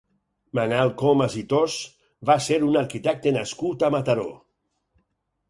Manuel Comas i Thos va ser un arquitecte nascut a Mataró.